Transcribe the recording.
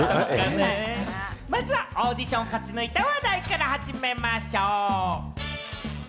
まずはオーディションを勝ち抜いた話題から始めましょう！